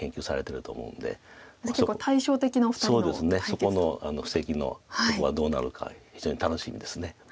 そこの布石のとこはどうなるか非常に楽しみです。